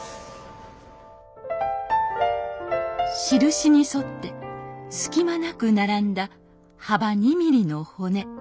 印に沿って隙間なく並んだ幅２ミリの骨。